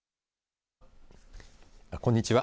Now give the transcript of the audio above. こんにちは。